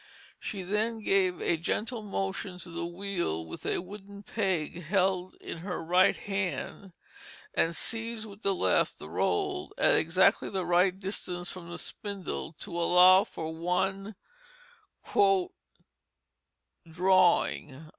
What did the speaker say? She then gave a gentle motion to the wheel with a wooden peg held in her right hand, and seized with the left the roll at exactly the right distance from the spindle to allow for one "drawing."